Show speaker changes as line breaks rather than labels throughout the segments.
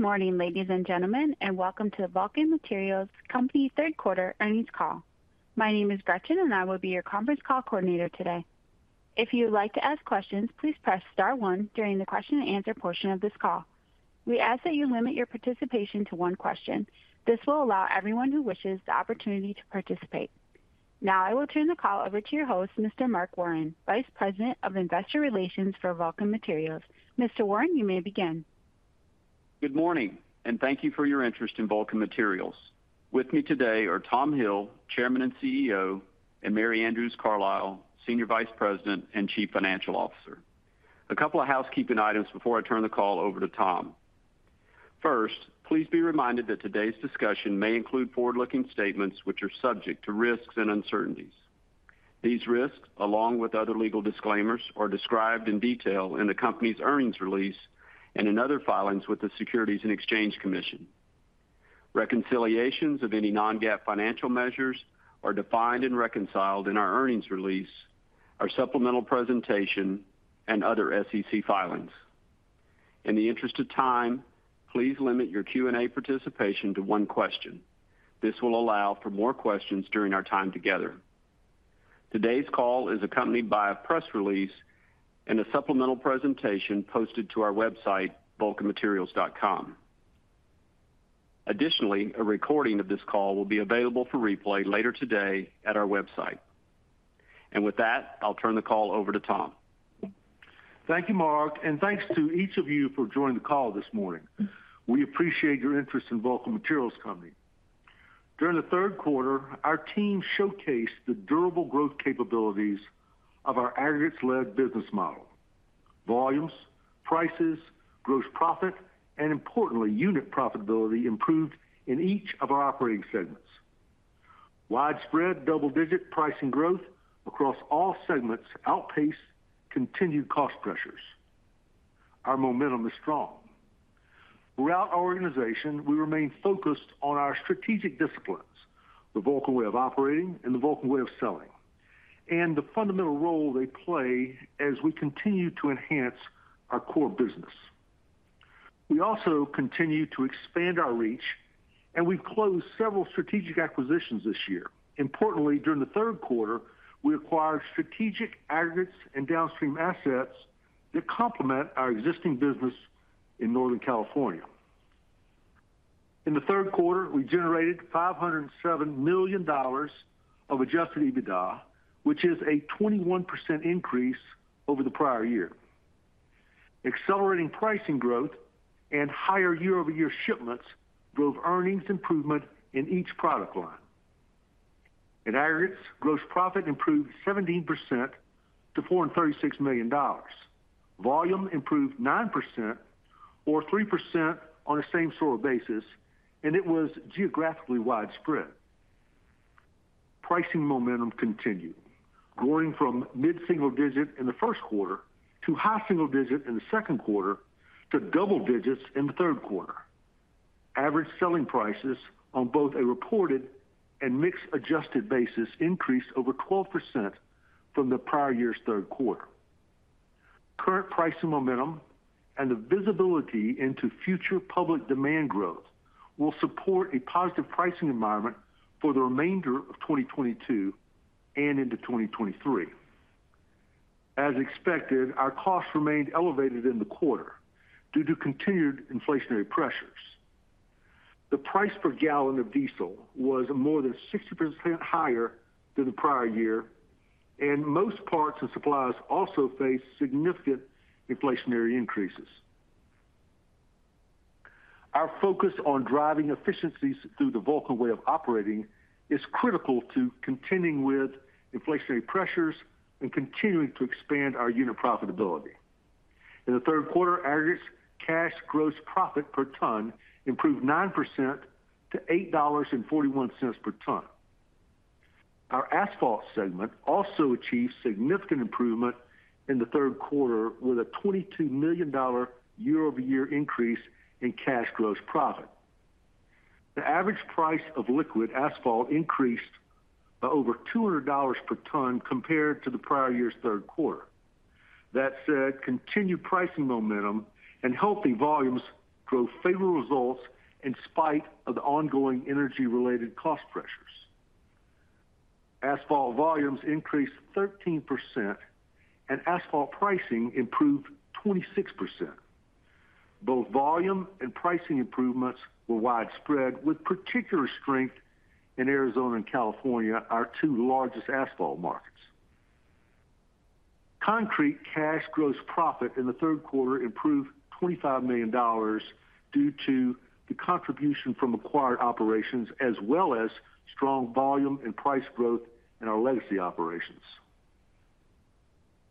Good morning, ladies and gentlemen, and welcome to the Vulcan Materials Company's third quarter earnings call. My name is Gretchen and I will be your conference call coordinator today. If you would like to ask questions, please press star one during the question-and-answer portion of this call. We ask that you limit your participation to one question. This will allow everyone who wishes the opportunity to participate. Now I will turn the call over to your host, Mr. Mark Warren, Vice President of Investor Relations for Vulcan Materials. Mr. Warren, you may begin.
Good morning, and thank you for your interest in Vulcan Materials. With me today are Thomas Hill, Chairman and CEO, and Mary Andrews Carlisle, Senior Vice President and Chief Financial Officer. A couple of housekeeping items before I turn the call over to Tom. First, please be reminded that today's discussion may include forward-looking statements which are subject to risks and uncertainties. These risks, along with other legal disclaimers, are described in detail in the company's earnings release and in other filings with the Securities and Exchange Commission. Reconciliations of any non-GAAP financial measures are defined and reconciled in our earnings release, our supplemental presentation and other SEC filings. In the interest of time, please limit your Q&A participation to one question. This will allow for more questions during our time together. Today's call is accompanied by a press release and a supplemental presentation posted to our website, vulcanmaterials.com. Additionally, a recording of this call will be available for replay later today at our website. With that, I'll turn the call over to Tom.
Thank you, Mark, and thanks to each of you for joining the call this morning. We appreciate your interest in Vulcan Materials Company. During the third quarter, our team showcased the durable growth capabilities of our aggregates-led business model. Volumes, prices, gross profit and importantly, unit profitability improved in each of our operating segments. Widespread double-digit pricing growth across all segments outpaced continued cost pressures. Our momentum is strong. Throughout our organization, we remain focused on our strategic disciplines, 'The Vulcan Way of Operating' and 'The Vulcan Way of Selling', and the fundamental role they play as we continue to enhance our core business. We also continue to expand our reach, and we've closed several strategic acquisitions this year. Importantly, during the third quarter, we acquired strategic aggregates and downstream assets that complement our existing business in Northern California. In the third quarter, we generated $507 million of adjusted EBITDA, which is a 21% increase over the prior year. Accelerating pricing growth and higher year-over-year shipments drove earnings improvement in each product line. In aggregates, gross profit improved 17% to $436 million. Volume improved 9% or 3% on a same store basis, and it was geographically widespread. Pricing momentum continued, growing from mid-single digit in the first quarter to high single digit in the second quarter to double digits in the third quarter. Average selling prices on both a reported and mixed adjusted basis increased over 12% from the prior year's third quarter. Current pricing momentum and the visibility into future public demand growth will support a positive pricing environment for the remainder of 2022 and into 2023. As expected, our costs remained elevated in the quarter due to continued inflationary pressures. The price per gallon of diesel was more than 60% higher than the prior year, and most parts and suppliers also faced significant inflationary increases. Our focus on driving efficiencies through the Vulcan Way of Operating is critical to contending with inflationary pressures and continuing to expand our unit profitability. In the third quarter, aggregates cash gross profit per ton improved 9% to $8.41 per ton. Our asphalt segment also achieved significant improvement in the third quarter, with a $22 million year-over-year increase in cash gross profit. The average price of liquid asphalt increased by over $200 per ton compared to the prior year's third quarter. That said, continued pricing momentum and healthy volumes drove favorable results in spite of the ongoing energy related cost pressures. Asphalt volumes increased 13% and asphalt pricing improved 26%. Both volume and pricing improvements were widespread, with particular strength in Arizona and California, our two largest asphalt markets. Concrete cash gross profit in the third quarter improved $25 million due to the contribution from acquired operations as well as strong volume and price growth in our legacy operations.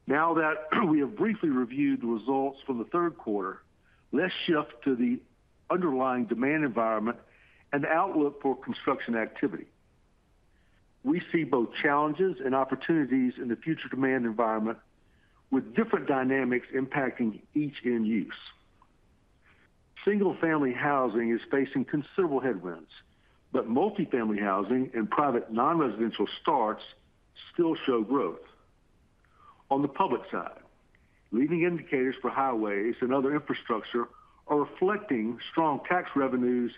Now that we have briefly reviewed the results from the third quarter, let's shift to the underlying demand environment and outlook for construction activity. We see both challenges and opportunities in the future demand environment with different dynamics impacting each end use. Single family housing is facing considerable headwinds, but multi-family housing and private non-residential starts still show growth. On the public side, leading indicators for highways and other infrastructure are reflecting strong tax revenues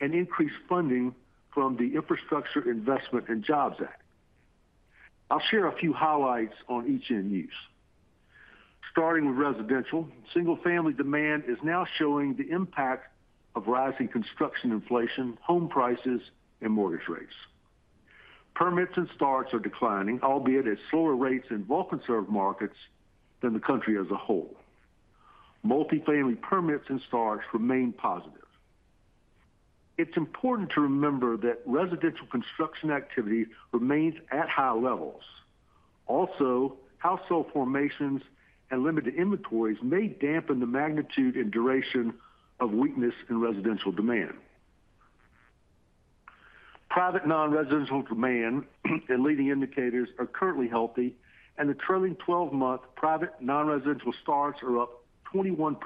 and increased funding from the Infrastructure Investment and Jobs Act. I'll share a few highlights on each end use. Starting with residential, single-family demand is now showing the impact of rising construction inflation, home prices, and mortgage rates. Permits and starts are declining, albeit at slower rates in more constrained markets than the country as a whole. Multifamily permits and starts remain positive. It's important to remember that residential construction activity remains at high levels. Also, household formations and limited inventories may dampen the magnitude and duration of weakness in residential demand. Private non-residential demand and leading indicators are currently healthy, and the trailing 12-month private non-residential starts are up 21%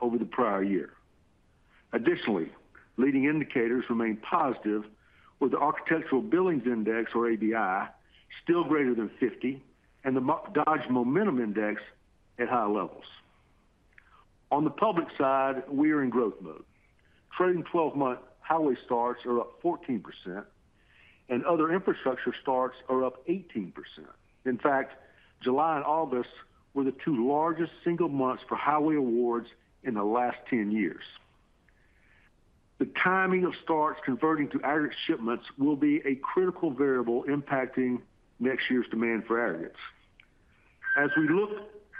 over the prior year. Additionally, leading indicators remain positive, with the Architecture Billings Index, or ABI, still greater than 50, and the Dodge Momentum Index at high levels. On the public side, we are in growth mode. Trailing 12-month highway starts are up 14% and other infrastructure starts are up 18%. In fact, July and August were the two largest single months for highway awards in the last 10 years. The timing of starts converting to aggregate shipments will be a critical variable impacting next year's demand for aggregates. As we look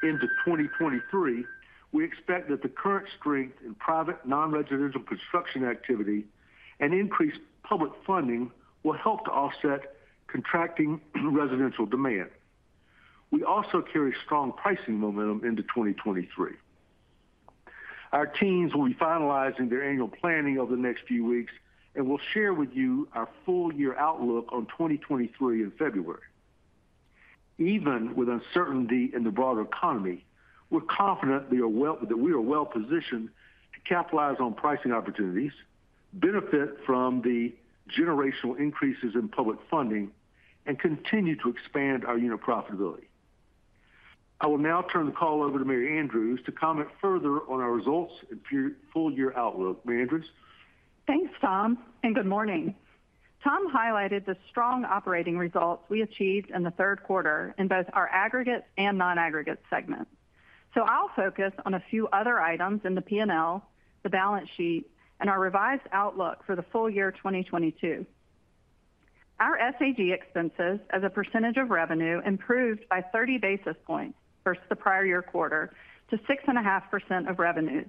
into 2023, we expect that the current strength in private non-residential construction activity and increased public funding will help to offset contracting residential demand. We also carry strong pricing momentum into 2023. Our teams will be finalizing their annual planning over the next few weeks, and we'll share with you our full year outlook on 2023 in February. Even with uncertainty in the broader economy, we're confident that we are well-positioned to capitalize on pricing opportunities, benefit from the generational increases in public funding, and continue to expand our unit profitability. I will now turn the call over to Mary Andrews to comment further on our results and full year outlook. Mary Andrews?
Thanks, Tom, and good morning. Tom highlighted the strong operating results we achieved in the third quarter in both our aggregate and non-aggregate segments. I'll focus on a few other items in the P&L, the balance sheet, and our revised outlook for the full year 2022. Our SAG expenses as a percentage of revenue improved by 30 basis points versus the prior year quarter to 6.5% of revenue.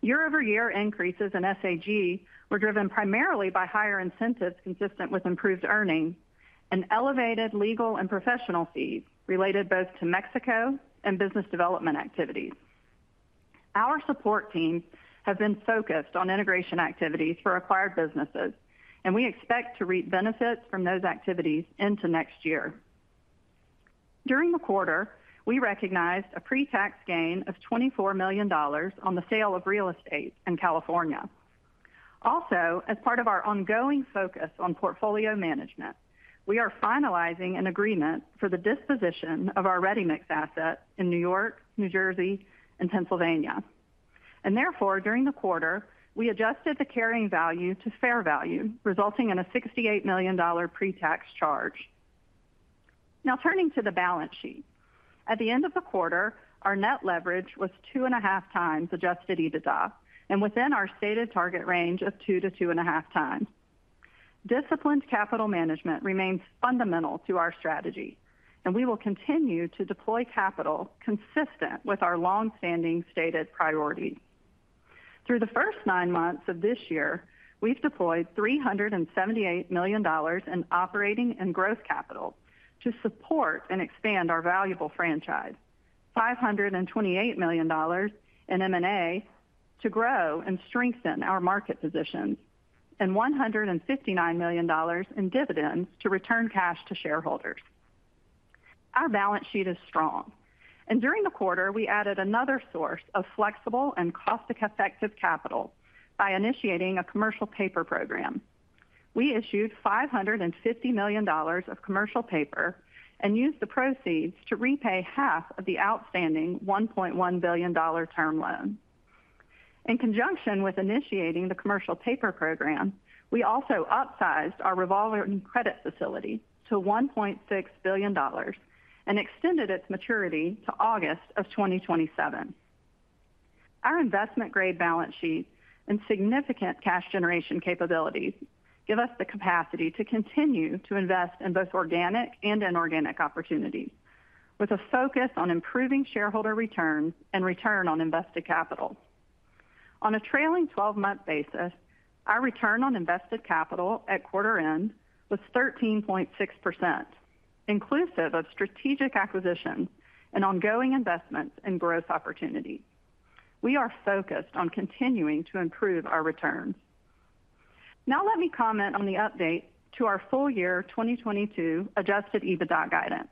Year-over-year increases in SAG were driven primarily by higher incentives consistent with improved earnings and elevated legal and professional fees related both to Mexico and business development activities. Our support teams have been focused on integration activities for acquired businesses, and we expect to reap benefits from those activities into next year. During the quarter, we recognized a pre-tax gain of $24 million on the sale of real estate in California. Also, as part of our ongoing focus on portfolio management, we are finalizing an agreement for the disposition of our ready-mix asset in New York, New Jersey, and Pennsylvania. Therefore, during the quarter, we adjusted the carrying value to fair value, resulting in a $68 million pre-tax charge. Now, turning to the balance sheet. At the end of the quarter, our net leverage was 2.5 times adjusted EBITDA and within our stated target range of 2-2.5 times. Disciplined capital management remains fundamental to our strategy, and we will continue to deploy capital consistent with our long-standing stated priorities. Through the first nine months of this year, we've deployed $378 million in operating and growth capital to support and expand our valuable franchise. $528 million in M&A to grow and strengthen our market positions, and $159 million in dividends to return cash to shareholders. Our balance sheet is strong, and during the quarter, we added another source of flexible and cost-effective capital by initiating a commercial paper program. We issued $550 million of commercial paper and used the proceeds to repay half of the outstanding $1.1 billion term loan. In conjunction with initiating the commercial paper program, we also upsized our revolving credit facility to $1.6 billion and extended its maturity to August 2027. Our investment-grade balance sheet and significant cash generation capabilities give us the capacity to continue to invest in both organic and inorganic opportunities with a focus on improving shareholder returns and return on invested capital. On a trailing 12-month basis, our return on invested capital at quarter end was 13.6%, inclusive of strategic acquisitions and ongoing investments in growth opportunities. We are focused on continuing to improve our returns. Now let me comment on the update to our full year 2022 adjusted EBITDA guidance.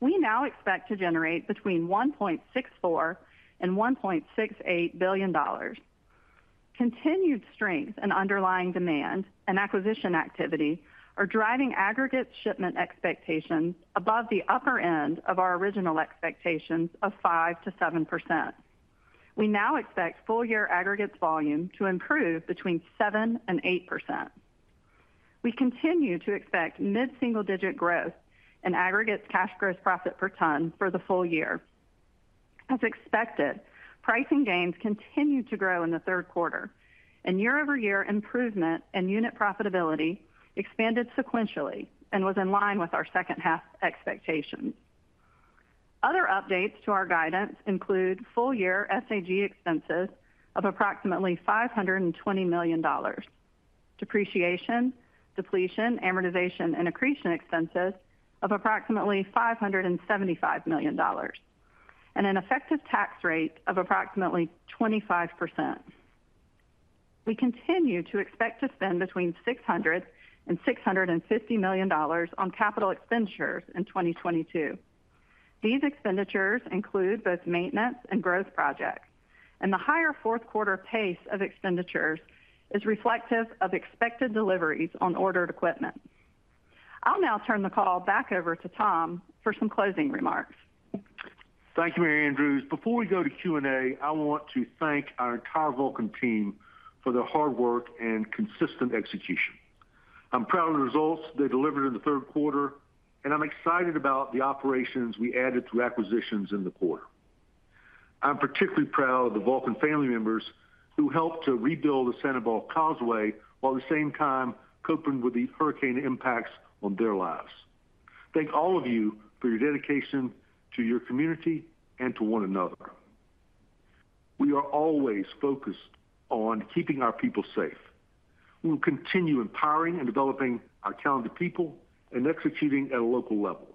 We now expect to generate between $1.64 billion and $1.68 billion. Continued strength in underlying demand and acquisition activity are driving aggregate shipment expectations above the upper end of our original expectations of 5%-7%. We now expect full year aggregates volume to improve between 7% and 8%. We continue to expect mid-single-digit growth in aggregates cash gross profit per ton for the full year. As expected, pricing gains continued to grow in the third quarter, and year-over-year improvement in unit profitability expanded sequentially and was in line with our second half expectations. Other updates to our guidance include full year SAG expenses of approximately $520 million. Depreciation, depletion, amortization, and accretion expenses of approximately $575 million. An effective tax rate of approximately 25%. We continue to expect to spend between $600 million and $650 million on capital expenditures in 2022. These expenditures include both maintenance and growth projects, and the higher fourth quarter pace of expenditures is reflective of expected deliveries on ordered equipment. I'll now turn the call back over to Tom for some closing remarks.
Thank you, Mary Andrews. Before we go to Q&A, I want to thank our entire Vulcan team for their hard work and consistent execution. I'm proud of the results they delivered in the third quarter, and I'm excited about the operations we added through acquisitions in the quarter. I'm particularly proud of the Vulcan family members who helped to rebuild the Sanibel Causeway, while at the same time coping with the hurricane impacts on their lives. Thank all of you for your dedication to your community and to one another. We are always focused on keeping our people safe. We will continue empowering and developing our talented people and executing at a local level.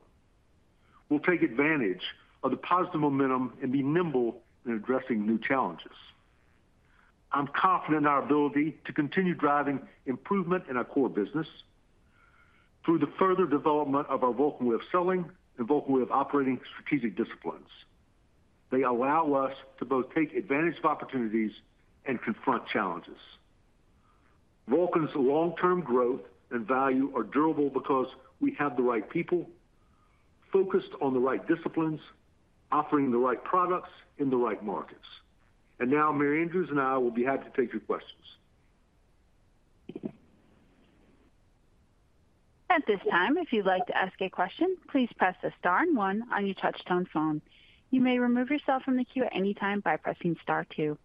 We'll take advantage of the positive momentum and be nimble in addressing new challenges. I'm confident in our ability to continue driving improvement in our core business through the further development of our Vulcan Way of Selling and Vulcan Way of Operating strategic disciplines. They allow us to both take advantage of opportunities and confront challenges. Vulcan's long-term growth and value are durable because we have the right people focused on the right disciplines, offering the right products in the right markets. Now Mary Andrews and I will be happy to take your questions.
At this time, if you'd like to ask a question, please press star and one on your touch-tone phone. You may remove yourself from the queue at any time by pressing star two.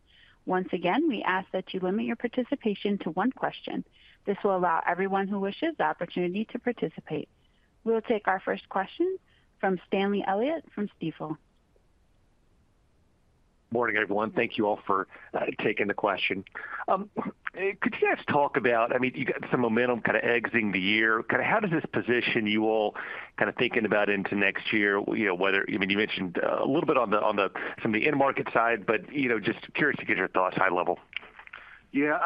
Once again, we ask that you limit your participation to one question. This will allow everyone who wishes the opportunity to participate. We'll take our first question from Stanley Elliott from Stifel.
Morning, everyone. Thank you all for taking the question. Could you guys talk about, I mean, you got some momentum kind of exiting the year. Kind of how does this position you all kind of thinking about into next year? You know, whether, I mean, you mentioned a little bit from the end market side, but, you know, just curious to get your thoughts high level.
Yeah.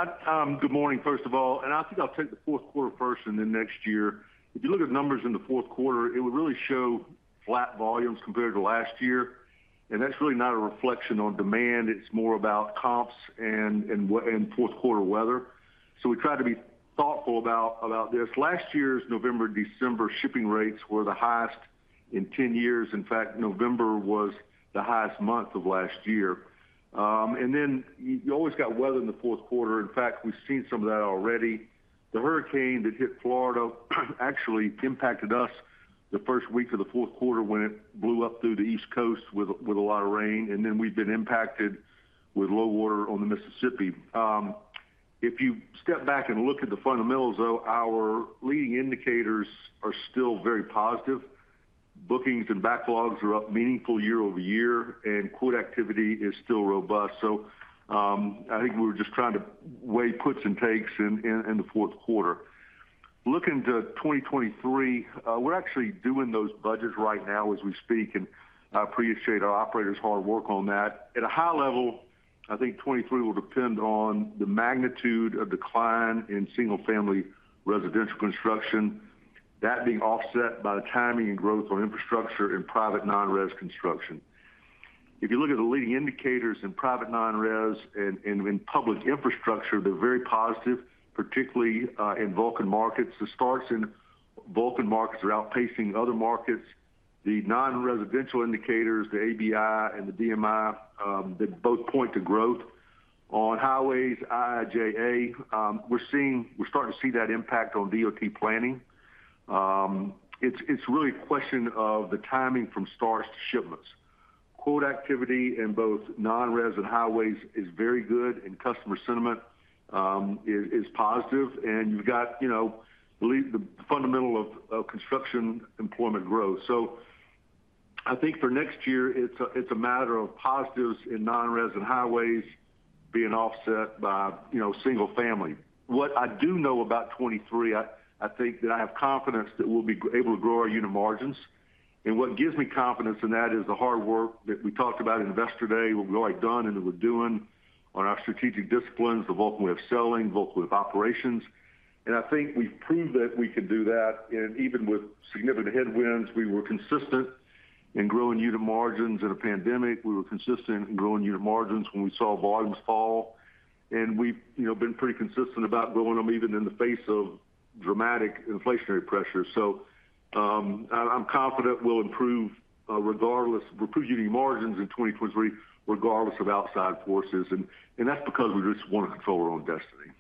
Good morning, first of all, and I think I'll take the fourth quarter first and then next year. If you look at the numbers in the fourth quarter, it would really show flat volumes compared to last year. That's really not a reflection on demand. It's more about comps and fourth quarter weather. We try to be thoughtful about this. Last year's November, December shipping rates were the highest in 10 years. In fact, November was the highest month of last year. You always got weather in the fourth quarter. In fact, we've seen some of that already. The hurricane that hit Florida actually impacted us the first week of the fourth quarter when it blew up through the East Coast with a lot of rain. We've been impacted with low water on the Mississippi. If you step back and look at the fundamentals, though, our leading indicators are still very positive. Bookings and backlogs are up meaningful year-over-year, and quote activity is still robust. I think we were just trying to weigh puts and takes in the fourth quarter. Looking to 2023, we're actually doing those budgets right now as we speak, and I appreciate our operators' hard work on that. At a high level, I think 2023 will depend on the magnitude of decline in single-family residential construction, that being offset by the timing and growth on infrastructure and private non-res construction. If you look at the leading indicators in private non-res and in public infrastructure, they're very positive, particularly in Vulcan markets. The starts in Vulcan markets are outpacing other markets. The non-residential indicators, the ABI and the DMI, they both point to growth. On highways, IIJA, we're starting to see that impact on DOT planning. It's really a question of the timing from starts to shipments. Quote activity in both non-res and highways is very good, and customer sentiment is positive. You've got the fundamental of construction employment growth. I think for next year it's a matter of positives in non-res and highways being offset by, you know, single family. What I do know about 2023, I think that I have confidence that we'll be able to grow our unit margins. What gives me confidence in that is the hard work that we talked about in Investor Day, what we've already done and that we're doing on our strategic disciplines, the Vulcan Way of Selling, Vulcan Way of Operating. I think we've proved that we can do that. Even with significant headwinds, we were consistent in growing unit margins in a pandemic. We were consistent in growing unit margins when we saw volumes fall. We've, you know, been pretty consistent about growing them even in the face of dramatic inflationary pressure. I'm confident we'll improve unit margins in 2023 regardless of outside forces. That's because we just wanna control our own destiny.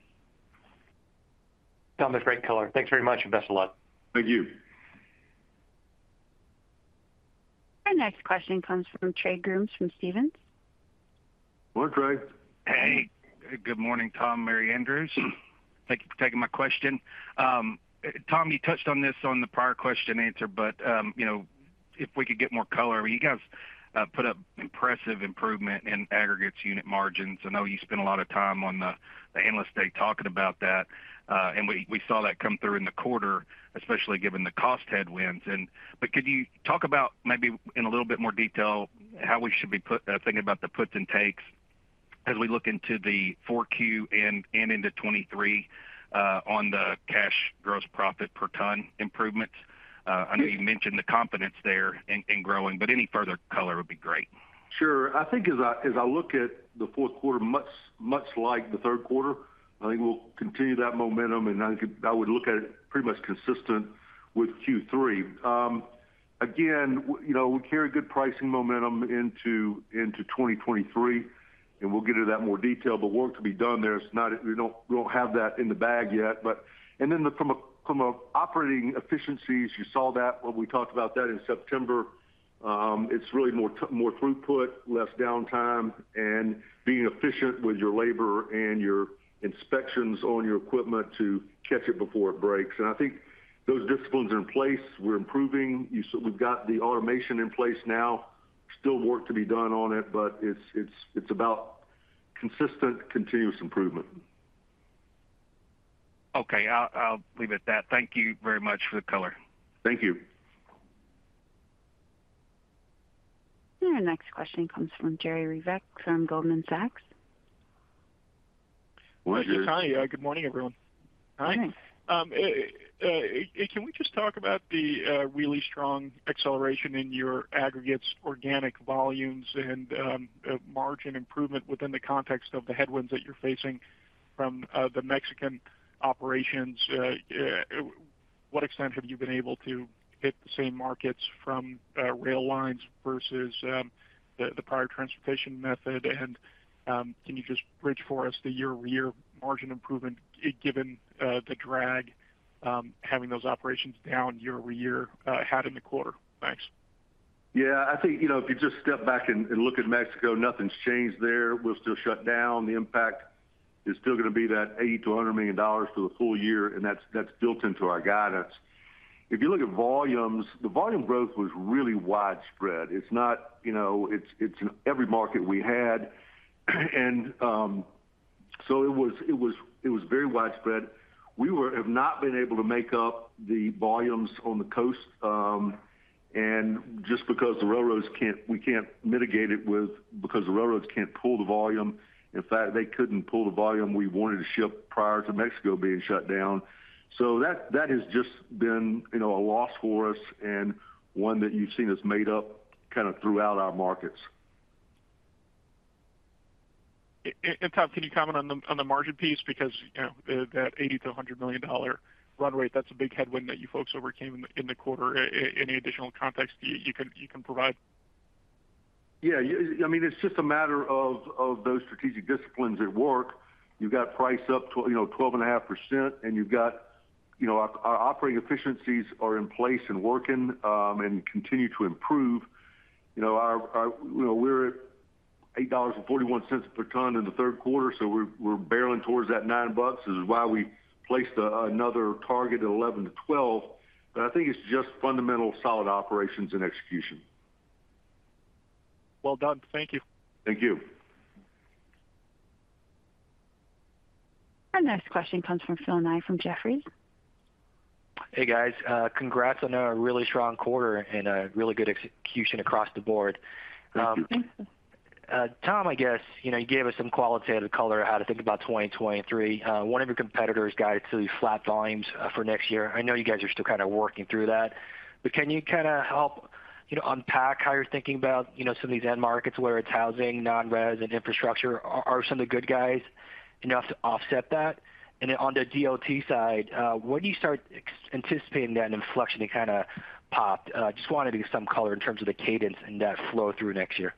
Tom, that's great color. Thanks very much, and best of luck.
Thank you.
Our next question comes from Trey Grooms from Stephens.
Hello, Trey.
Hey. Good morning, Tom, Mary Andrews. Thank you for taking my question. Tom, you touched on this on the prior question answer, but you know, if we could get more color. I mean, you guys put up impressive improvement in aggregates unit margins. I know you spent a lot of time on the Analyst Day talking about that, and we saw that come through in the quarter, especially given the cost headwinds. But could you talk about maybe in a little bit more detail how we should be thinking about the puts and takes as we look into the 4Q and into 2023 on the cash gross profit per ton improvements? I know you mentioned the confidence there in growing, but any further color would be great.
Sure. I think as I look at the fourth quarter, much like the third quarter, I think we'll continue that momentum, and I would look at it pretty much consistent with Q3. Again, you know, we carry good pricing momentum into 2023, and we'll get into that in more detail, but work to be done there. It's not. We don't have that in the bag yet, but. Then from a operating efficiencies, you saw that when we talked about that in September. It's really more throughput, less downtime, and being efficient with your labor and your inspections on your equipment to catch it before it breaks. I think those disciplines are in place. We're improving. We've got the automation in place now. Still work to be done on it, but it's about consistent continuous improvement.
Okay. I'll leave it at that. Thank you very much for the color.
Thank you.
Our next question comes from Jerry Revich from Goldman Sachs.
Jerry?
Hi. Good morning, everyone.
Hi.
Can we just talk about the really strong acceleration in your aggregates organic volumes and margin improvement within the context of the headwinds that you're facing from the Mexican operations? What extent have you been able to hit the same markets from rail lines versus the prior transportation method? Can you just bridge for us the year-over-year margin improvement, given the drag having those operations down year over year had in the quarter? Thanks.
Yeah. I think, you know, if you just step back and look at Mexico, nothing's changed there. We're still shut down. The impact is still gonna be that $80 million-$100 million for the full year, and that's built into our guidance. If you look at volumes, the volume growth was really widespread. It's not. You know, it's in every market we had. It was very widespread. We have not been able to make up the volumes on the coast, and just because the railroads can't, we can't mitigate it because the railroads can't pull the volume. In fact, they couldn't pull the volume we wanted to ship prior to Mexico being shut down. So, that has just been a loss for us and one that you've seen us made up kinda throughout our markets.
And Tom, can you comment on the margin piece? Because, you know, that $80 million-$100 million run rate, that's a big headwind that you folks overcame in the quarter. Any additional context you can provide?
Yeah. I mean, it's just a matter of those strategic disciplines at work. You've got price up 12.5%, and you've got you know, our operating efficiencies are in place and working and continue to improve. You know, we're at $8.41 per ton in the third quarter, so we're barreling towards that $9. This is why we placed another target of $11-$12. I think it's just fundamental solid operations and execution.
Well done. Thank you.
Thank you.
Our next question comes from Philip Ng from Jefferies.
Hey, guys. Congrats on a really strong quarter and a really good execution across the board.
Thank you.
Thanks.
Tom, I guess, you know, you gave us some qualitative color how to think about 2023. One of your competitors guided to these flat volumes for next year. I know you guys are still kinda working through that, but can you kinda help, you know, unpack how you're thinking about, you know, some of these end markets, whether it's housing, non-res, and infrastructure? Are some of the good guys enough to offset that? Then on the DOT side, when do you start anticipating that inflection to kinda pop? Just wanted to get some color in terms of the cadence and that flow through next year.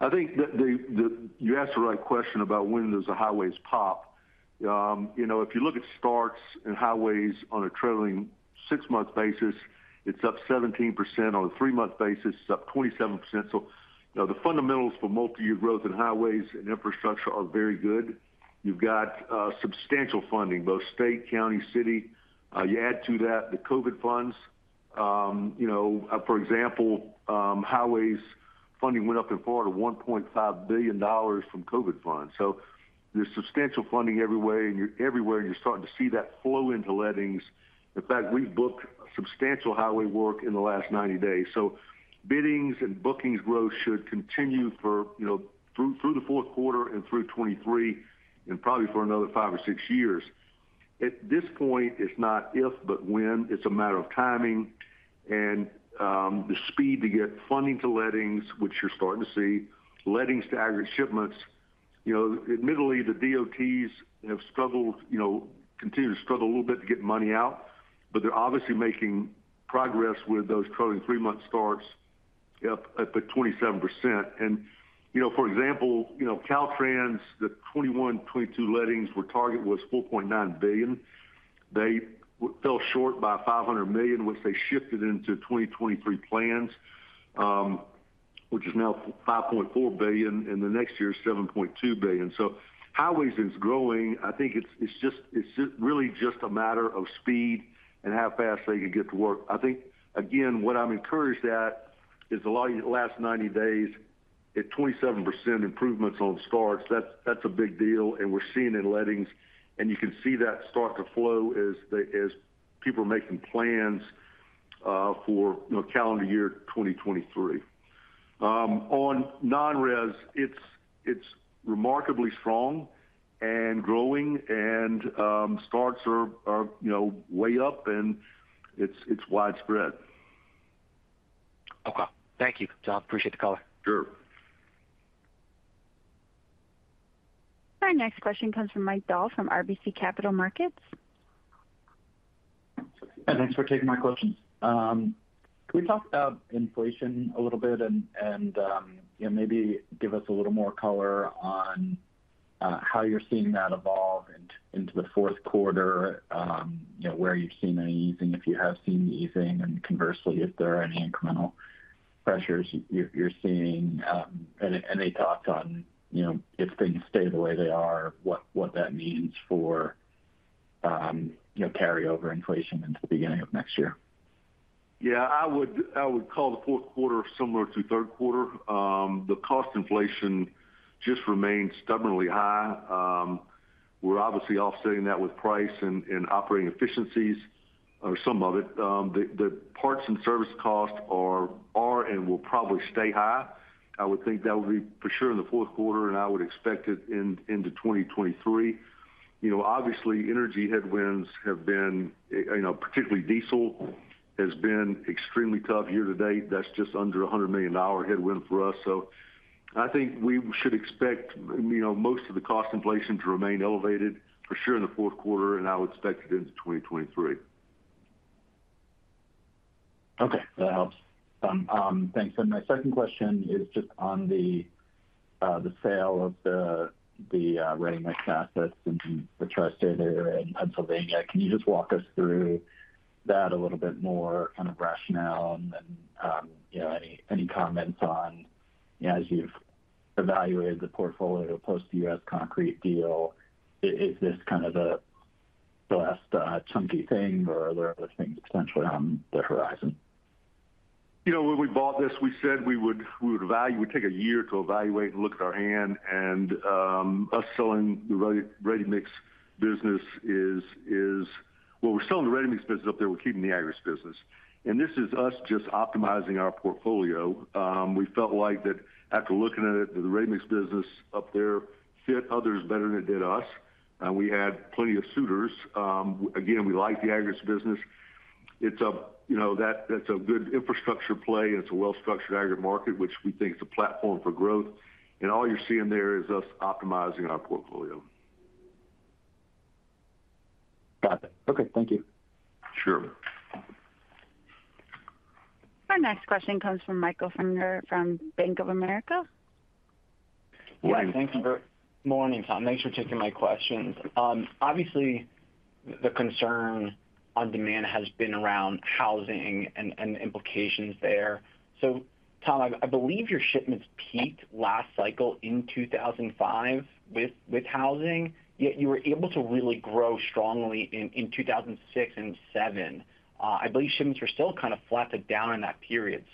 I think that you asked the right question about when does the highways pop. You know, if you look at starts and highways on a trailing six-month basis, it's up 17%. On a three-month basis, it's up 27%. You know, the fundamentals for multiyear growth in highways and infrastructure are very good. You've got substantial funding, both state, county, city. You add to that the COVID funds. You know, for example, highways funding went up in Florida $1.5 billion from COVID funds. There's substantial funding everywhere, and everywhere you're starting to see that flow into lettings. In fact, we've booked substantial highway work in the last 90 days. Biddings and bookings growth should continue, you know, through the fourth quarter and through 2023, and probably for another 5 or 6 years. At this point, it's not if but when. It's a matter of timing and, the speed to get funding to lettings, which you're starting to see, lettings to aggregate shipments. You know, admittedly, the DOTs have struggled, you know, continue to struggle a little bit to get money out, but they're obviously making progress with those trailing three-month starts up at the 27%. You know, for example, you know, Caltrans, the 2021-2022 lettings target was $4.9 billion. They fell short by $500 million, which they shifted into 2023 plans, which is now $5.4 billion, and the next year is $7.2 billion. Highways is growing. I think it's really just a matter of speed and how fast they can get to work. I think, again, what I'm encouraged at is the last 90 days, at 27% improvements on starts, that's a big deal. We're seeing it in lettings, and you can see that start to flow as people are making plans, you know, for calendar year 2023. On non-res, it's remarkably strong and growing, starts are, you know, way up, and it's widespread.
Okay. Thank you, Tom. Appreciate the color.
Sure.
Our next question comes from Mike Dahl from RBC Capital Markets.
Thanks for taking my questions. Can we talk about inflation a little bit and, you know, maybe give us a little more color on, how you're seeing that evolve into the fourth quarter, you know, where you've seen any easing, if you have seen any easing, and conversely, if there are any incremental pressures you're seeing, and a thought on, you know, if things stay the way they are, what that means for, you know, carryover inflation into the beginning of next year?
Yeah, I would call the fourth quarter similar to third quarter. The cost inflation just remains stubbornly high. We're obviously offsetting that with price and operating efficiencies, or some of it. The parts and service costs are and will probably stay high. I would think that would be for sure in the fourth quarter, and I would expect it into 2023. You know, obviously, energy headwinds have been, you know, particularly diesel has been extremely tough year-to-date. That's just under $100 million headwind for us. So I think we should expect, you know, most of the cost inflation to remain elevated, for sure in the fourth quarter, and I would expect it into 2023.
Okay. That helps. Thanks. My second question is just on the sale of the ready-mix assets into the tri-state area in Pennsylvania. Can you just walk us through that a little bit more, kind of rationale and then, you know, any comments on, you know, as you've evaluated the portfolio post the U.S. Concrete deal, is this kind of the last chunky thing or are there other things potentially on the horizon?
You know, when we bought this, we said we'd take a year to evaluate and look at our hand. Us selling the ready-mix business is. Well, we're selling the ready-mix business up there, we're keeping the aggregates business. This is us just optimizing our portfolio. We felt like that after looking at it, the ready-mix business up there fit others better than it did us, and we had plenty of suitors. Again, we like the aggregates business. It's a good infrastructure play, and it's a well-structured aggregate market, which we think is a platform for growth. All you're seeing there is us optimizing our portfolio.
Got it. Okay, thank you.
Sure.
Our next question comes from Michael Feniger from Bank of America.
Morning.
Yeah, thank you. Morning, Tom. Thanks for taking my questions. Obviously, the concern on demand has been around housing and the implications there. Tom, I believe your shipments peaked last cycle in 2005 with housing, yet you were able to really grow strongly in 2006 and 2007. I believe shipments were still kind of flat to down in that period.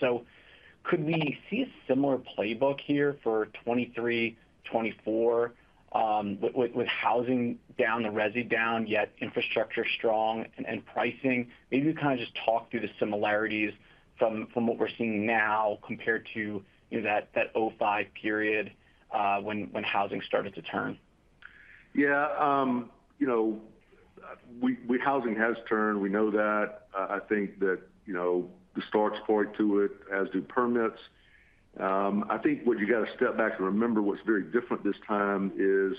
Could we see a similar playbook here for 2023, 2024, with housing down and resi down, yet infrastructure strong and pricing? Maybe you can kind of just talk through the similarities from what we're seeing now compared to that 2005 period, you know, when housing started to turn.
Yeah, you know, housing has turned. We know that. I think that, you know, the starts point to it, as do permits. I think what you got to step back and remember what's very different this time is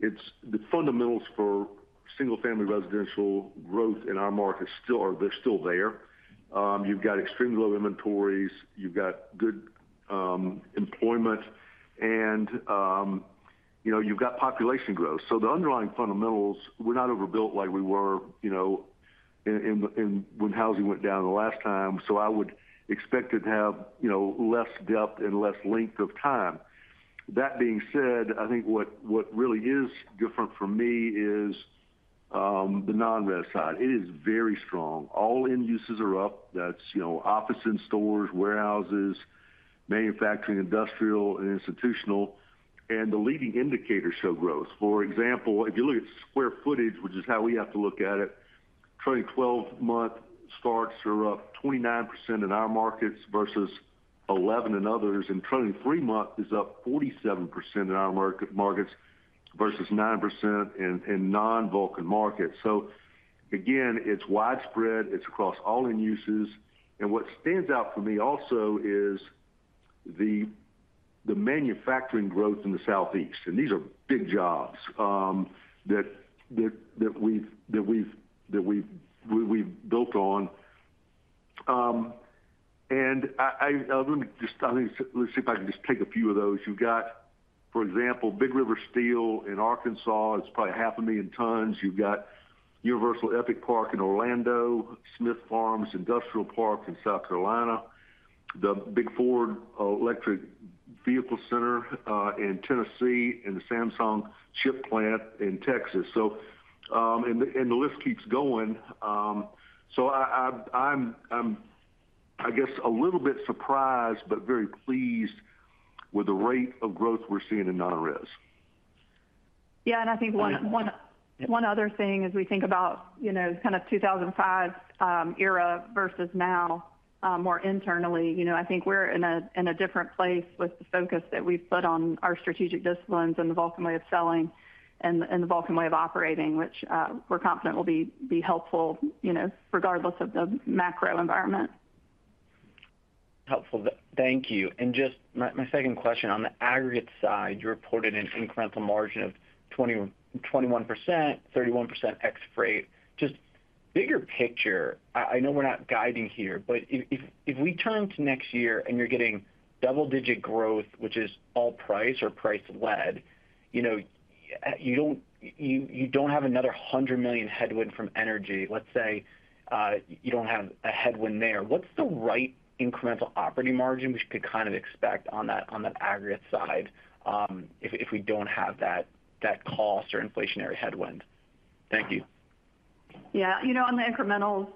it's the fundamentals for single-family residential growth in our markets still are, they're still there. You've got extremely low inventories, you've got good employment, and you know, you've got population growth. So the underlying fundamentals, we're not overbuilt like we were, you know, when housing went down the last time. So I would expect it to have, you know, less depth and less length of time. That being said, I think what really is different for me is the non-res side. It is very strong. All end uses are up. That's, you know, offices and stores, warehouses, manufacturing, industrial, and institutional. The leading indicators show growth. For example, if you look at square footage, which is how we have to look at it, trailing 12-month starts are up 29% in our markets versus 11% in others, and trailing three-month is up 47% in our markets versus 9% in non-Vulcan markets. Again, it's widespread, it's across all end uses. What stands out for me also is the manufacturing growth in the Southeast. These are big jobs that we've built on. Let me take a few of those. You've got, for example, Big River Steel in Arkansas. It's probably 500,000 tons. You've got Universal Epic Park in Orlando, Smith Farms Industrial Park in South Carolina, the big Ford Electric Vehicle Center in Tennessee, and the Samsung chip plant in Texas. The list keeps going. I guess I'm a little bit surprised but very pleased with the rate of growth we're seeing in non-res.
Yeah. I think one other thing as we think about, you know, kind of 2005 era versus now, more internally. You know, I think we're in a different place with the focus that we've put on our strategic disciplines and the Vulcan Way of Selling and the Vulcan Way of Operating, which we're confident will be helpful, you know, regardless of the macro environment.
Helpful. Thank you. Just my second question. On the aggregate side, you reported an incremental margin of 21%, 31% ex freight. Just bigger picture, I know we're not guiding here, but if we turn to next year and you're getting double-digit growth, which is all price or price-led, you know, you don't have another $100 million headwind from energy. Let's say, you don't have a headwind there. What's the right incremental operating margin we could kind of expect on that aggregate side, if we don't have that cost or inflationary headwind? Thank you.
Yeah. You know, on the incrementals,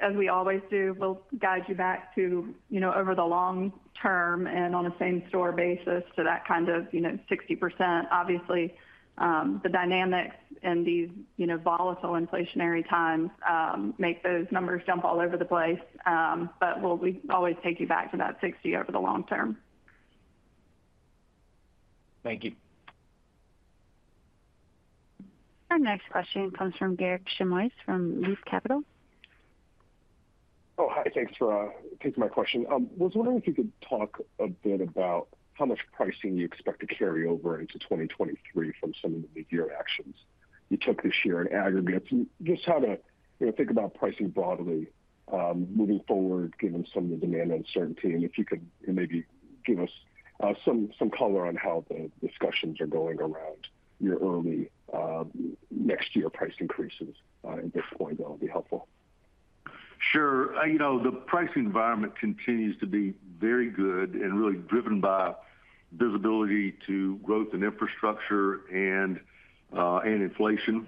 as we always do, we'll guide you back to, you know, over the long term and on a same store basis to that kind of, you know, 60%. Obviously, the dynamics in these, you know, volatile inflationary times, make those numbers jump all over the place. We always take you back to that 60% over the long term.
Thank you.
Our next question comes from Garik Shmois from Loop Capital Markets.
Thanks for taking my question. Was wondering if you could talk a bit about how much pricing you expect to carry over into 2023 from some of the big year actions you took this year in aggregate, and just how to, you know, think about pricing broadly, moving forward, given some of the demand uncertainty. If you could maybe give us some color on how the discussions are going around your early next year price increases at this point, that'll be helpful.
Sure. You know, the pricing environment continues to be very good and really driven by visibility to growth in infrastructure and inflation.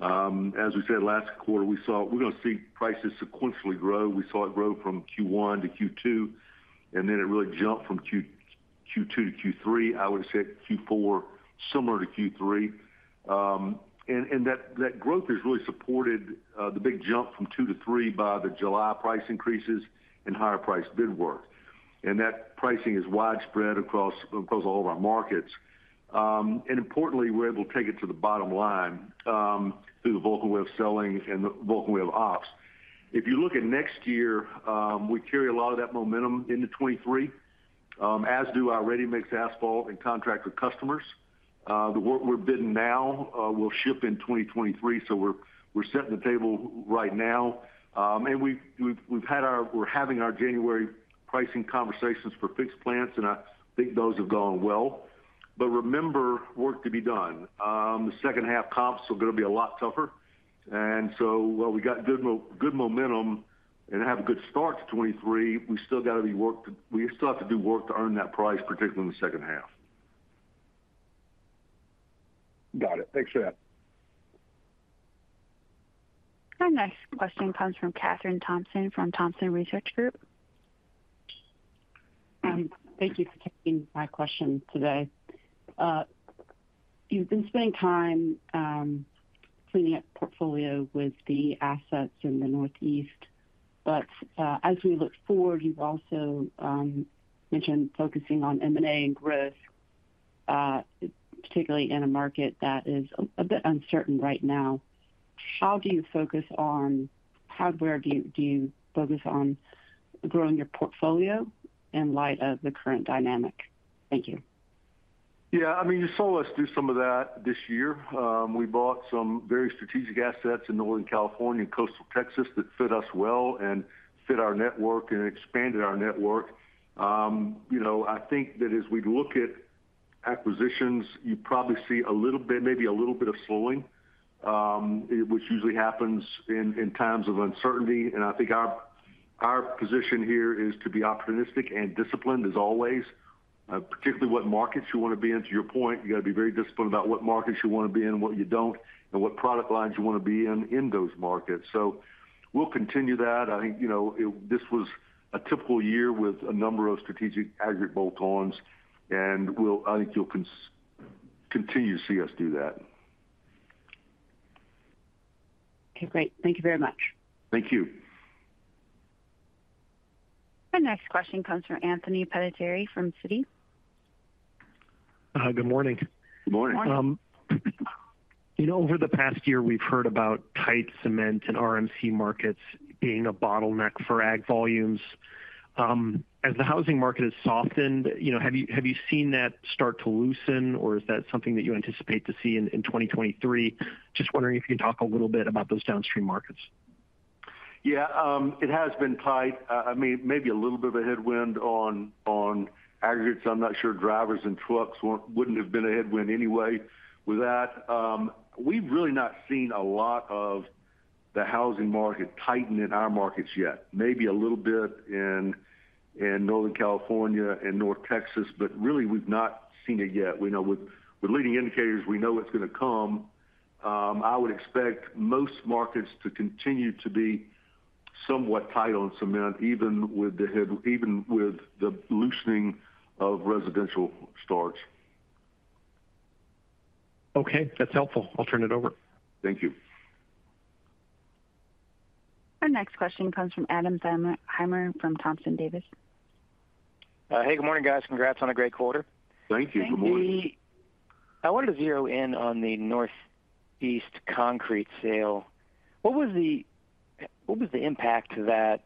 As we said last quarter, we're gonna see prices sequentially grow. We saw it grow from Q1 to Q2, and then it really jumped from Q2 to Q3. I would have said Q4 similar to Q3. That growth has really supported the big jump from two to three by the July price increases and higher priced bid work. That pricing is widespread across all of our markets. Importantly, we're able to take it to the bottom line through the Vulcan Way of Selling and the Vulcan Way of Ops. If you look at next year, we carry a lot of that momentum into 2023, as do our ready-mix asphalt and contractor customers. The work we're bidding now will ship in 2023, so we're setting the table right now. We're having our January pricing conversations for fixed plants, and I think those have gone well. Remember, work to be done. The second half comps are gonna be a lot tougher. While we got good momentum and have a good start to 2023, we still have to do work to earn that price, particularly in the second half.
Got it. Thanks for that.
Our next question comes from Kathryn Thompson from Thompson Research Group.
Thank you for taking my question today. You've been spending time cleaning up portfolio with the assets in the Northeast. As we look forward, you've also mentioned focusing on M&A and growth, particularly in a market that is a bit uncertain right now. Where do you focus on growing your portfolio in light of the current dynamic? Thank you.
Yeah. I mean, you saw us do some of that this year. We bought some very strategic assets in Northern California and Coastal Texas that fit us well and fit our network and expanded our network. You know, I think that as we look at acquisitions, you probably see a little bit, maybe a little bit of slowing, which usually happens in times of uncertainty. I think our position here is to be opportunistic and disciplined as always, particularly what markets you wanna be in. To your point, you gotta be very disciplined about what markets you wanna be in, what you don't, and what product lines you wanna be in in those markets. We'll continue that. I think, you know, this was a typical year with a number of strategic aggregate bolt-ons, and I think you'll continue to see us do that.
Okay, great. Thank you very much.
Thank you.
Our next question comes from Anthony Pettinari from Citigroup.
Good morning.
Good morning.
Morning.
You know, over the past year, we've heard about tight cement and RMC markets being a bottleneck for ag volumes. As the housing market has softened, you know, have you seen that start to loosen, or is that something that you anticipate to see in 2023? Just wondering if you could talk a little bit about those downstream markets.
Yeah, it has been tight. I mean, maybe a little bit of a headwind on aggregates. I'm not sure drivers and trucks wouldn't have been a headwind anyway with that. We've really not seen a lot of the housing market tighten in our markets yet. Maybe a little bit in Northern California and North Texas, but really we've not seen it yet. We know with leading indicators, we know it's gonna come. I would expect most markets to continue to be somewhat tight on cement, even with the loosening of residential starts.
Okay, that's helpful. I'll turn it over.
Thank you.
Our next question comes from Adam Thalhimer from Thompson Davis & Co.
Hey, good morning, guys. Congrats on a great quarter.
Thank you. Good morning.
Thank you.
I wanted to zero in on the Northeast concrete sale. What was the impact to that,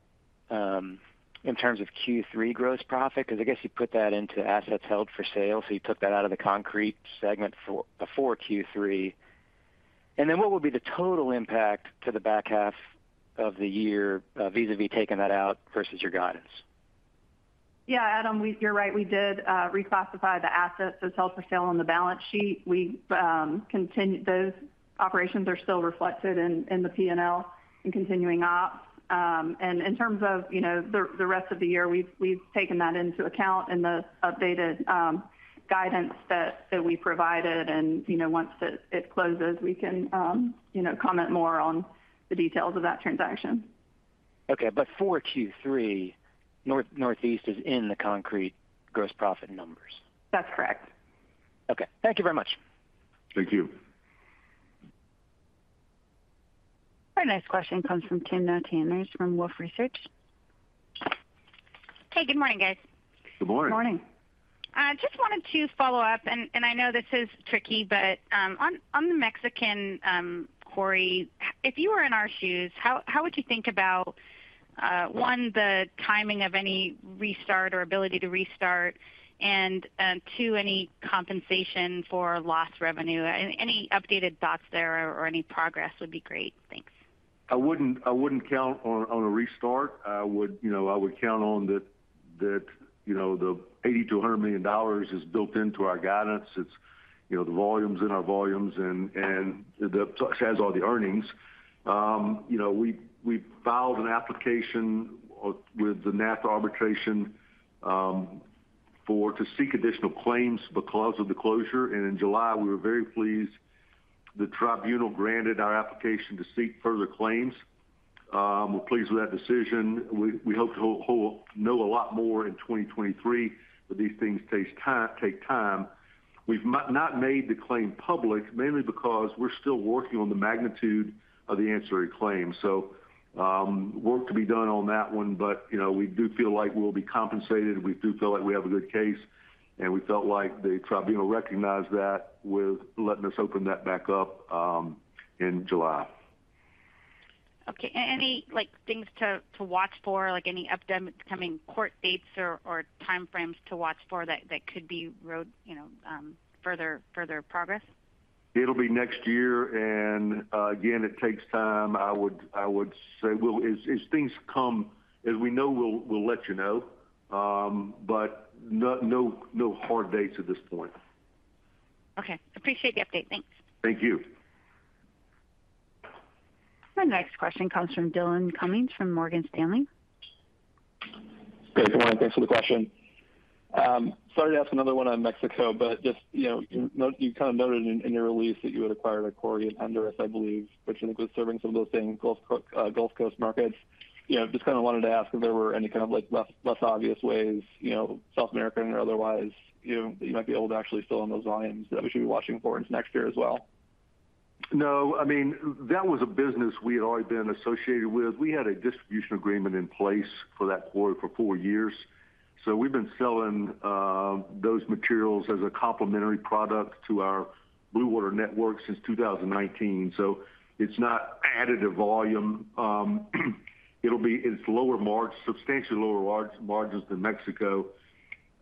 in terms of Q3 gross profit? 'Cause I guess you put that into assets held for sale, so you took that out of the concrete segment before Q3. Then what would be the total impact to the back half of the year, vis-à-vis taking that out versus your guidance?
Yeah. Adam, you're right, we did reclassify the assets as held for sale on the balance sheet. Those operations are still reflected in the P&L in continuing ops. In terms of, you know, the rest of the year, we've taken that into account in the updated guidance that we provided. You know, once it closes, we can, you know, comment more on the details of that transaction.
Okay. For Q3, Northeast is in the concrete gross profit numbers?
That's correct.
Okay. Thank you very much.
Thank you.
Our next question comes from Timna Tanners from Wolfe Research.
Hey, good morning, guys.
Good morning.
Morning.
I just wanted to follow up, and I know this is tricky, but on the Mexican quarry, if you were in our shoes, how would you think about one, the timing of any restart or ability to restart, and two, any compensation for lost revenue? Any updated thoughts there or any progress would be great. Thanks.
I wouldn't count on a restart. I would, you know, count on that the $80 million-$100 million is built into our guidance. It's, you know, the volume's in our volumes and that has all the earnings. You know, we filed an application with the NAFTA arbitration to seek additional claims because of the closure. In July, we were very pleased the tribunal granted our application to seek further claims. We're pleased with that decision. We hope to know a lot more in 2023, but these things take time. We've not made the claim public, mainly because we're still working on the magnitude of the ancillary claim. So, work to be done on that one, but we do feel like we'll be compensated. We do feel like we have a good case, and we felt like the tribunal recognized that with letting us open that back up in July.
Okay. Any, like, things to watch for, like any upcoming court dates or time frames to watch for that could be road, you know, further progress?
It'll be next year, and again, it takes time. I would say as things come, as we know, we'll let you know. No, no hard dates at this point.
Okay. Appreciate the update. Thanks.
Thank you.
Our next question comes from Dillon Cumming from Morgan Stanley.
Hey, good morning. Thanks for the question. Sorry to ask another one on Mexico, but just, you know, you kind of noted in your release that you had acquired a quarry in Honduras, I believe, which I think was serving some of those same Gulf Coast markets. You know, just kinda wanted to ask if there were any kind of like less obvious ways, you know, South American or otherwise, you know, that you might be able to actually fill in those volumes that we should be watching for into next year as well.
No, I mean, that was a business we had already been associated with. We had a distribution agreement in place for that quarry for four years. We've been selling those materials as a complementary product to our Blue Water network since 2019. It's not additive volume. It's substantially lower margins than Mexico.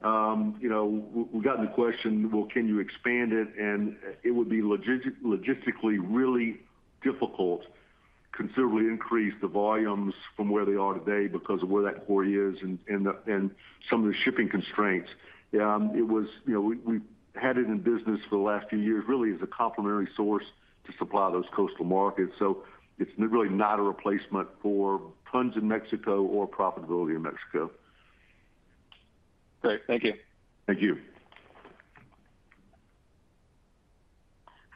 You know, we've gotten the question, "Well, can you expand it?" It would be logistically really difficult to considerably increase the volumes from where they are today because of where that quarry is and some of the shipping constraints. It was, you know, we had it in business for the last few years really as a complementary source to supply those coastal markets. It's really not a replacement for tons in Mexico or profitability in Mexico.
Great. Thank you.
Thank you.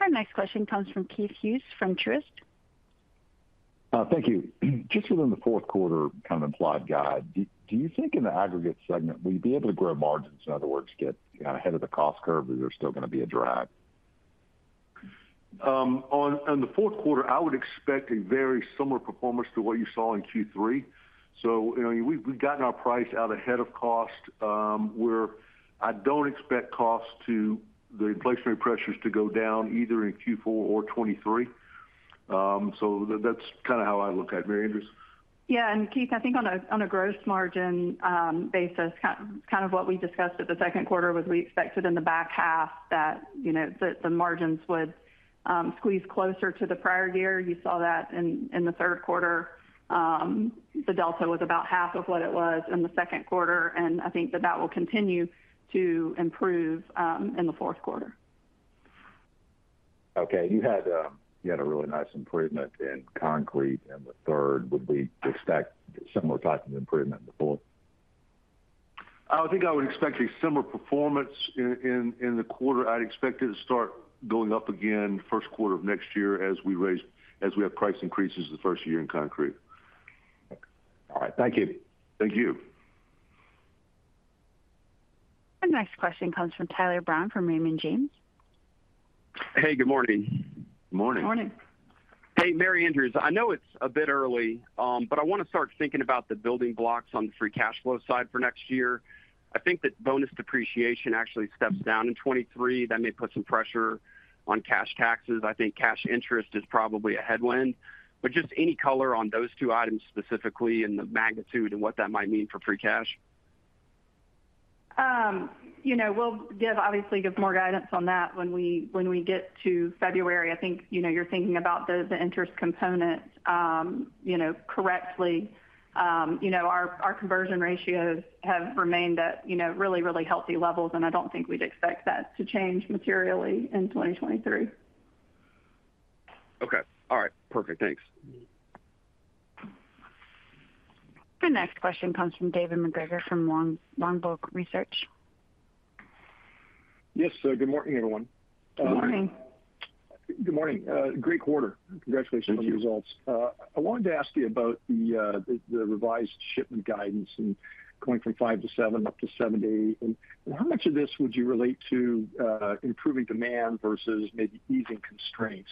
Our next question comes from Keith Hughes from Truist.
Thank you. Just within the fourth quarter kind of implied guide, do you think in the aggregate segment we'd be able to grow margins, in other words, get, you know, ahead of the cost curve? Or is there still gonna be a drag?
On the fourth quarter, I would expect a very similar performance to what you saw in Q3. You know, we've gotten our price out ahead of cost, where I don't expect costs, the inflationary pressures to go down either in Q4 or 2023. That's kinda how I look at it. Mary Andrews?
Yeah. Keith, I think on a gross margin basis, kind of what we discussed at the second quarter was we expected in the back half that, you know, the margins would squeeze closer to the prior year. You saw that in the third quarter. The delta was about half of what it was in the second quarter, and I think that will continue to improve in the fourth quarter.
Okay. You had a really nice improvement in concrete in the third. Would we expect similar types of improvement in the fourth?
I think I would expect a similar performance in the quarter. I'd expect it to start going up again first quarter of next year as we have price increases the first year in concrete.
All right. Thank you.
Thank you.
Our next question comes from Tyler Brown from Raymond James.
Hey, good morning.
Morning.
Morning.
Hey, Mary Andrews. I know it's a bit early, but I wanna start thinking about the building blocks on the free cash flow side for next year. I think that bonus depreciation actually steps down in 2023. That may put some pressure on cash taxes. I think cash interest is probably a headwind. Just any color on those two items specifically and the magnitude and what that might mean for free cash?
You know, we'll obviously give more guidance on that when we get to February. I think, you know, you're thinking about the interest component correctly. You know, our conversion ratios have remained at really, really healthy levels, and I don't think we'd expect that to change materially in 2023.
Okay. All right. Perfect. Thanks.
The next question comes from David MacGregor from Longbow Research.
Yes. Good morning, everyone.
Good morning.
Good morning. Great quarter, congratulations on the results. I wanted to ask you about the revised shipment guidance and going from 5%-7%, up to 7%-8%. And how much of this would you relate to improving demand versus maybe easing constraints?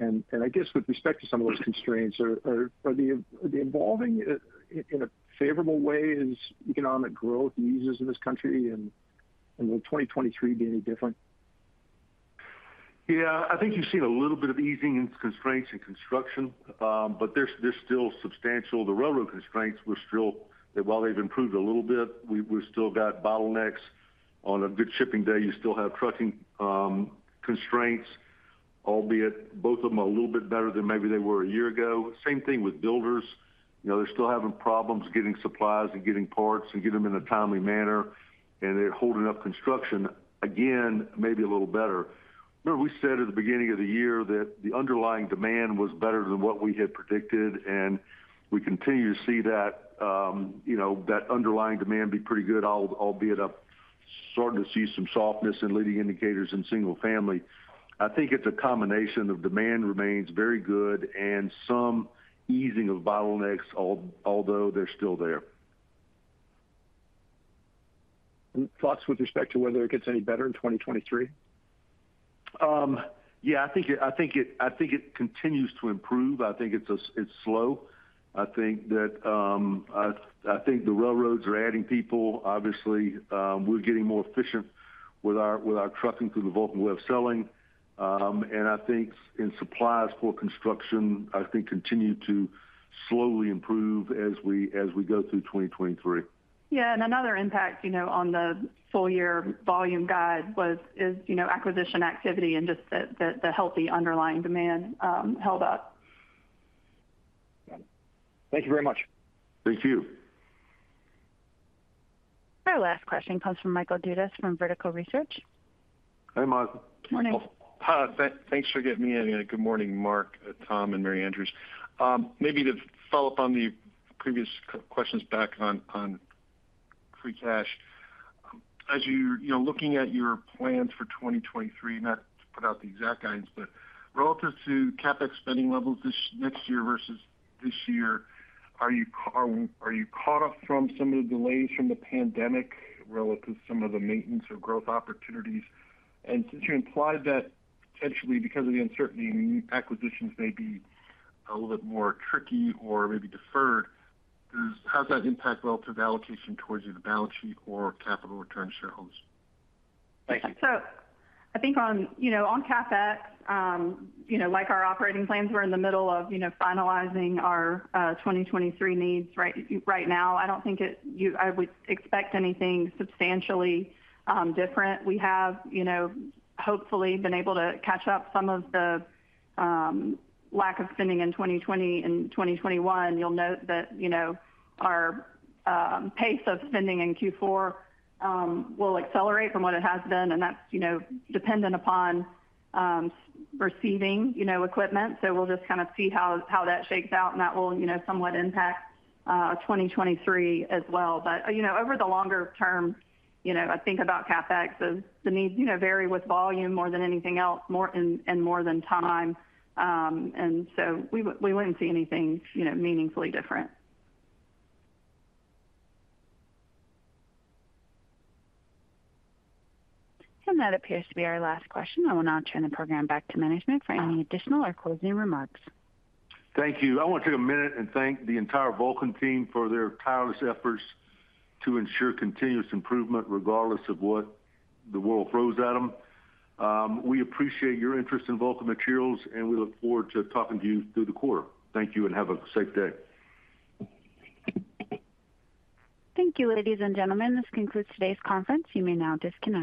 I guess with respect to some of those constraints, are they evolving in a favorable way as economic growth eases in this country, and will 2023 be any different?
Yeah. I think you've seen a little bit of easing in constraints in construction, but there's still substantial. The railroad constraints, we're still. While they've improved a little bit, we still got bottlenecks. On a good shipping day, you still have trucking constraints, albeit both of them are a little bit better than maybe they were a year ago. Same thing with builders. You know, they're still having problems getting supplies and getting parts and get them in a timely manner, and they're holding up construction. Again, maybe a little better. Remember we said at the beginning of the year that the underlying demand was better than what we had predicted, and we continue to see that, you know, that underlying demand be pretty good, albeit up. Starting to see some softness in leading indicators in single family. I think it's a combination of demand remains very good and some easing of bottlenecks, although they're still there.
Thoughts with respect to whether it gets any better in 2023?
Yeah, I think it continues to improve. I think it's slow. I think the railroads are adding people. Obviously, we're getting more efficient with our trucking through the Vulcan Way of Selling. I think in supplies for construction continue to slowly improve as we go through 2023.
Another impact, you know, on the full year volume guide is, you know, acquisition activity and just the healthy underlying demand held up.
Got it. Thank you very much.
Thank you.
Our last question comes from Michael Dudas from Vertical Research.
Hey, Michael.
Morning.
Thanks for getting me in, and good morning, Mark, Tom, and Mary Andrews. Maybe to follow up on the previous questions back on free cash. As you're, you know, looking at your plans for 2023, not to put out the exact guidance, but relative to CapEx spending levels next year versus this year, are you caught up from some of the delays from the pandemic relative to some of the maintenance or growth opportunities? Since you implied that potentially because of the uncertainty, new acquisitions may be a little bit more tricky or maybe deferred, how does that impact relative allocation towards either the balance sheet or capital return to shareholders? Thank you.
I think on, you know, on CapEx, like our operating plans, we're in the middle of, you know, finalizing our 2023 needs right now. I don't think I would expect anything substantially different. We have, you know, hopefully been able to catch up some of the lack of spending in 2020 and 2021. You'll note that, you know, our pace of spending in Q4 will accelerate from what it has been, and that's, you know, dependent upon receiving, you know, equipment. We'll just kinda see how that shakes out, and that will, you know, somewhat impact 2023 as well. Over the longer term, you know, I think about CapEx as the needs, you know, vary with volume more than anything else, more and more than time. We wouldn't see anything, you know, meaningfully different.
That appears to be our last question. I will now turn the program back to management for any additional or closing remarks.
Thank you. I wanna take a minute and thank the entire Vulcan team for their tireless efforts to ensure continuous improvement, regardless of what the world throws at them. We appreciate your interest in Vulcan Materials, and we look forward to talking to you through the quarter. Thank you, and have a safe day.
Thank you, ladies and gentlemen. This concludes today's conference. You may now disconnect.